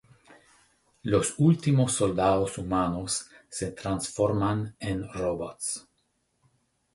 Los últimos soldados humanos se transforman en robots.